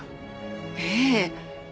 ええ。